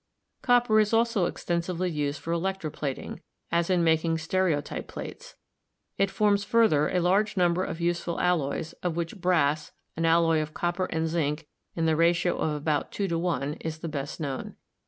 Copper is also extensively used for electroplating, as in making stereotype plates. It forms further a large number of useful alloys, of which brass — an alloy of copper and zinc in the ratio of about 2 : i — is the best known.